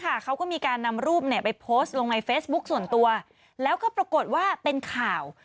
เขาก็มีการนำรูปไปโพสต์ลงในเฟซบุ๊คส่วนตัวแล้วก็ปรากฏว่าเป็นข่าว